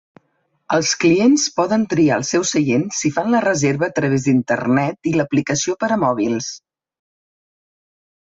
Els clients poden triar els seus seients si fan la reserva a través d'Internet i l'aplicació per a mòbils.